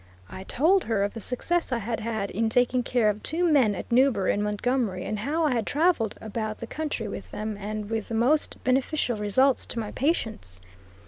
I told her of the success I had had in taking care of two men at Newbury and Montgomery; and how I had traveled about the country with them, and with the most beneficial results to my patients.